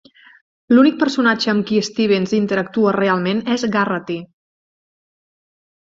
L'únic personatge amb qui Stebbins interactua realment és Garraty.